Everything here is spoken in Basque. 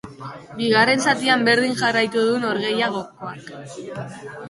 Bigarren zatian berdin jarraitu du norgehiagokak.